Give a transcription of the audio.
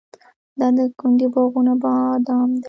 د دایکنډي باغونه بادام لري.